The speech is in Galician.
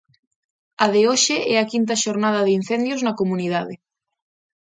A de hoxe é a quinta xornada de incendios na comunidade.